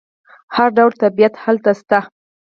هر ډول طبیعت هلته شته.